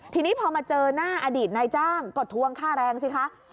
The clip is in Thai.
ทีนี้พอมาเจอหน้าอดีตนายจ้างก็ทวงค่าแรงสิคะ